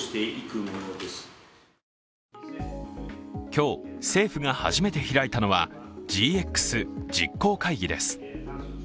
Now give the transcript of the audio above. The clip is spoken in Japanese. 今日政府が初めて開いたのはＧＸ実行会議です。